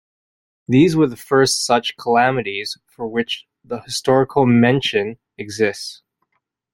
These were the first such calamities for which the historical mention exists.